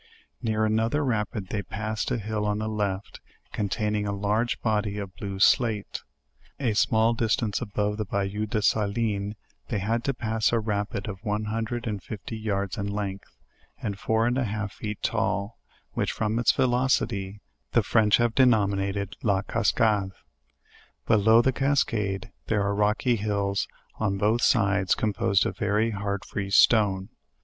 Near another rapid they passed a hill on the left, containing a large body of bluej&ate* A sjnalLdkta=nce shave. the bay LEWIS AND CLARKE, 199 ou de Saline they had to pass a rapid of one hundred and fifty yards in length, and four and a half feet fall, which from its velocity, the French have denominated "La Cascade." Below the cascade there are rocky hills on both sides com posed of very hard free stone.